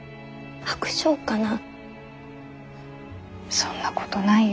そんなことないよ。